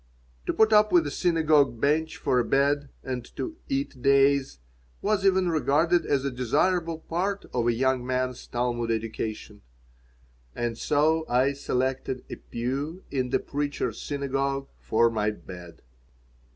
To put up with a synagogue bench for a bed and to "eat days" was even regarded as a desirable part of a young man's Talmud education. And so I selected a pew in the Preacher's Synagogue for my bed.